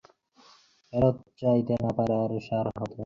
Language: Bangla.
ফেরত চাইতে না পারার যন্ত্রণা কষ্ট নীরবে হজম করাই সার হতো।